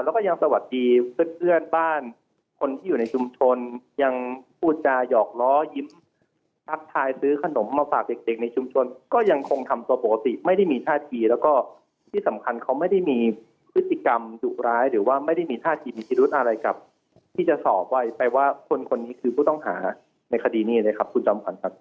แล้วก็ยังสวัสดีเพื่อนเพื่อนบ้านคนที่อยู่ในชุมชนยังพูดจาหยอกล้อยิ้มทักทายซื้อขนมมาฝากเด็กในชุมชนก็ยังคงทำตัวปกติไม่ได้มีท่าทีแล้วก็ที่สำคัญเขาไม่ได้มีพฤติกรรมดุร้ายหรือว่าไม่ได้มีท่าทีมีพิรุธอะไรกับที่จะสอบไว้แต่ว่าคนคนนี้คือผู้ต้องหาในคดีนี้เลยครับคุณจอมขวัญครับ